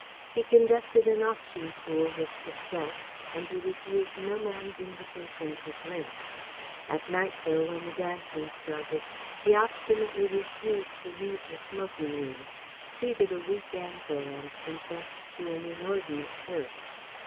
He conducted an auction pool with success and he refused no man's invitation to drink. At night, though, when the dancing started, he obstinately refused to leave the smoking room, pleaded a weak ankle and confessed to an inordinate thirst.